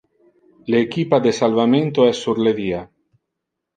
Le equipa de salvamento es sur le via.